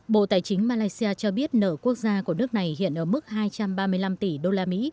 bộ tài chính malaysia cho biết nợ quốc gia của nước này hiện ở mức hai trăm ba mươi năm tỷ usd